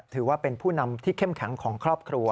ถือว่าเป็นผู้นำที่เข้มแข็งของครอบครัว